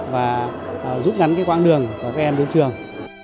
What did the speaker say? và rút ngắn cái quãng đường của các em đến trường